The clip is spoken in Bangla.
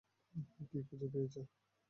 কী খুঁজে পেয়েছ?